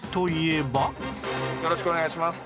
よろしくお願いします。